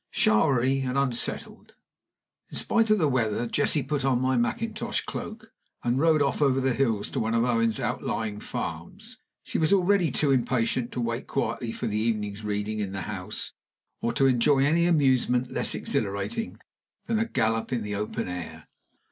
SHOWERY and unsettled. In spite of the weather, Jessie put on my Mackintosh cloak and rode off over the hills to one of Owen's outlying farms. She was already too impatient to wait quietly for the evening's reading in the house, or to enjoy any amusement less exhilarating than a gallop in the open air.